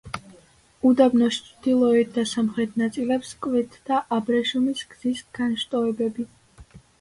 უდაბნოს ჩრდილოეთ და სამხრეთ ნაწილებს კვეთდა აბრეშუმის გზის განშტოებები.